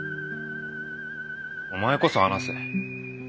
お前こそ話せ。